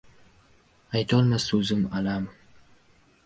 Aytolmas so‘zim — alam